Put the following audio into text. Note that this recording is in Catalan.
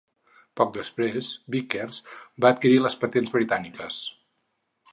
Poc després, Vickers va adquirir les patents britàniques.